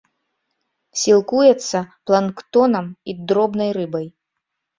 Сілкуецца планктонам і дробнай рыбай.